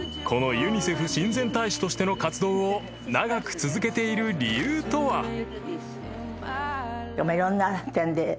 このユニセフ親善大使としての活動を長く続けている理由とは？］